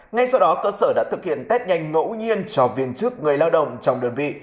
ngay sau đó cơ sở đã thực hiện test nhanh ngẫu nhiên cho viên chức người lao động trong đơn vị